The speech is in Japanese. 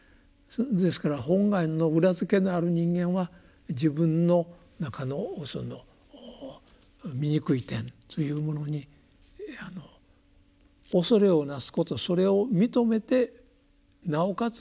ですから本願の裏付けのある人間は自分の中のその醜い点というものに恐れをなすことそれを認めてなおかつ